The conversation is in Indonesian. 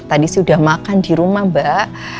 tadi sih udah makan di rumah mbak